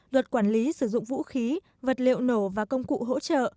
luật quản lý sử dụng vũ khí vật liệu nổ và công cụ hỗ trợ